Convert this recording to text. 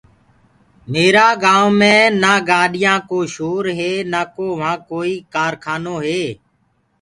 ميرآ گآئونٚ مي نآ گاڏيآنٚ ڪو شور هي نآڪو وهآن ڪوئي ڪارکانو هي